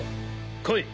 来い！